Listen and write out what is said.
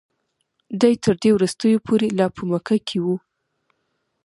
دی تر دې وروستیو پورې لا په مکه کې و.